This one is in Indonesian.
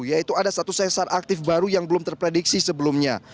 yaitu ada satu sesar aktif baru yang belum terprediksi sebelumnya